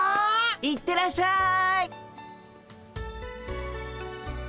行ってらっしゃい。